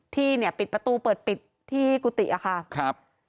ที่ปิดประตูเปิดปิดที่กุฏิอะค่ะ